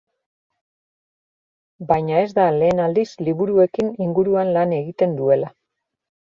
Baina ez da lehen aldiz liburuekin inguruan lan egiten duela.